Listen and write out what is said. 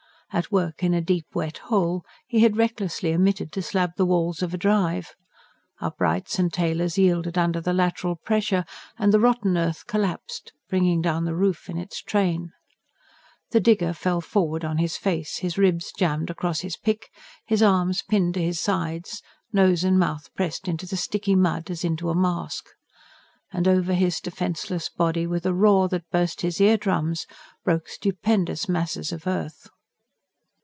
At work in a deep wet hole, he had recklessly omitted to slab the walls of a drive; uprights and tailors yielded under the lateral pressure, and the rotten earth collapsed, bringing down the roof in its train. The digger fell forward on his face, his ribs jammed across his pick, his arms pinned to his sides, nose and mouth pressed into the sticky mud as into a mask; and over his defenceless body, with a roar that burst his ear drums, broke stupendous masses of earth.